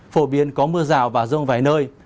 phổ biến có mưa rào và rông vài nơi